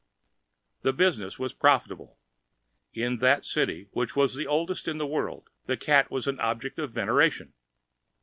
The business was profitable. In that city, which was the oldest in the world, the cat was an object of veneration.